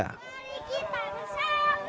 mari kita bersama